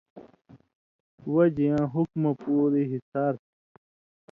وجہۡ یاں حُکُمہۡ پُوری حِصار تھی۔